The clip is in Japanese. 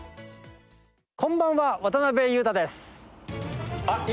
こんばんは、渡辺裕太です。